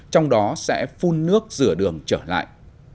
trong đó sẽ phun nước rửa đường trở lại